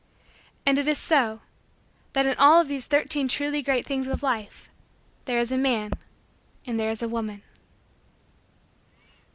And it is so that in all of these Thirteen Truly Great Things of Life there is a man and there is a woman.